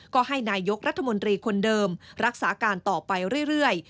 ก็ให้นายกรัฐมนตรีคนเดิมรักษาการต่อไปเรื่อย